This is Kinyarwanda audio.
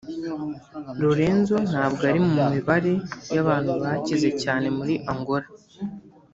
Lourenco ntabwo ari mu mibare y’abantu bakize cyane muri Angola